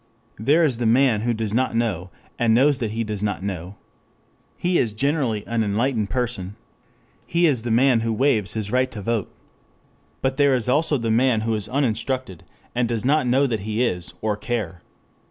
There is the man who does not know and knows that he does not know. He is generally an enlightened person. He is the man who waives his right to vote. But there is also the man who is uninstructed and does not know that he is, or care.